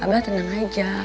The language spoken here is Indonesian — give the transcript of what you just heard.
abah tenang aja